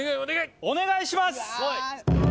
お願いします！